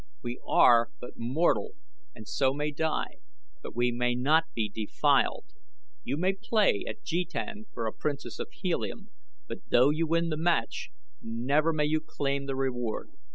We are but mortal and so may die; but we may not be defiled. You may play at jetan for a princess of Helium, but though you may win the match, never may you claim the reward.